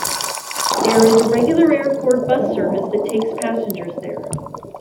There is a regular airport bus service that takes passengers there.